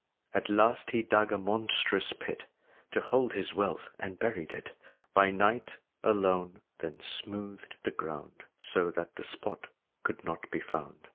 At last he dug a monstrous pit To hold his wealth, and buried it By night, alone; then smoothed the ground So that the spot could not be found.